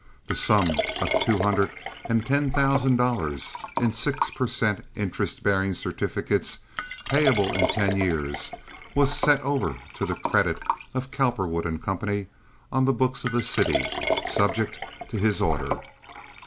The sum of two hundred and ten thousand dollars in six per cent. interest bearing certificates, payable in ten years, was set over to the credit of Cowperwood & Co. on the books of the city, subject to his order.